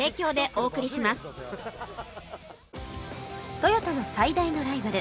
トヨタの最大のライバル